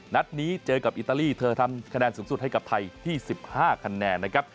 นัดนี้เจอกับอิตาลีเธอทำคะแนนสูงสุดให้กับไทยที่๑๕คะแนนนะครับ